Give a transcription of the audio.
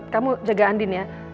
kamu jaga andin ya